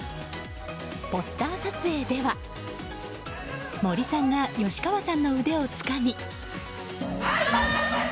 ポスター撮影では森さんが吉川さんの腕をつかみ。